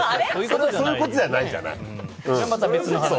そういうことじゃないじゃない。